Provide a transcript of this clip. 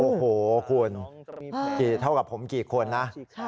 โอ้โหคุณกี่เท่ากับผมกี่คนนะ